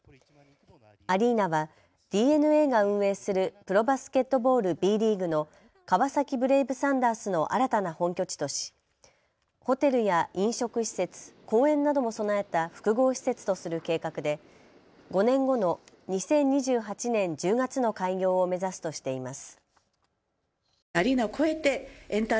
アリーナはディー・エヌ・エーが運営するプロバスケットボールＢリーグの川崎ブレイブサンダースの新たな本拠地としホテルや飲食施設、公園なども備えた複合施設とする計画で５年後の２０２８年１０月の開業を目指すとしています。